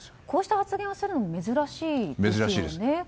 こうした発言をするのも珍しいですよね。